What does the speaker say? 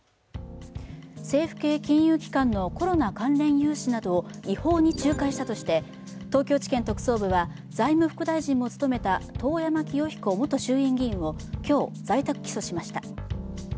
政府系金融機関のコロナ関連融資などを違法に仲介したとして東京地検特捜部は財務副大臣も務めた遠山清彦元衆院議員を今日、在宅起訴しました。